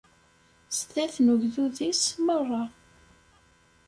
Sdat n ugdud-is merra.